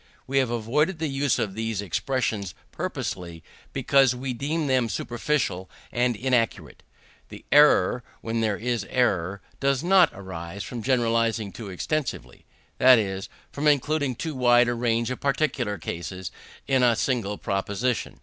We have avoided the use of these expressions purposely, because we deem them superficial and inaccurate. The error, when there is error, does not arise from generalizing too extensively; that is, from including too wide a range of particular cases in a single proposition.